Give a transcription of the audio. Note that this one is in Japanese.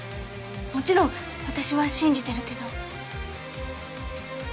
もちろん私は信じてるけど。